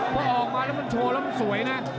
เพราะออกมามันโชว์แล้วมันสวยนะ